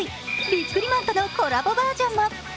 ビックリマンとのコラボバージョンも。